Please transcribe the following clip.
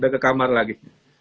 udah ke kamar lagi